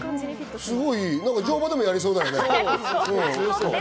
乗馬でもやりそうだよね。